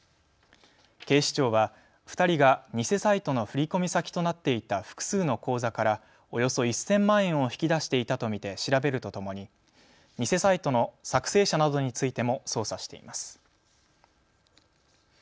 警視庁は２人が偽サイトの振込先となっていた複数の口座からおよそ１０００万円を引き出していたと見て調べるとともに偽サイトの作成者などについても捜査しています。